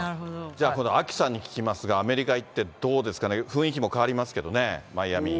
じゃあ、今度アキさんに聞きますが、アメリカ行って、どうですかね、雰囲気も変わりますけどね、マイアミ。